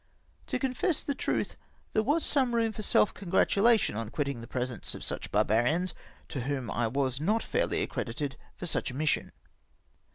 To confess the truth, there was some room for self congratulation on quitting the presence of such bar barians, to whom I was not fairly accredited for such a mission.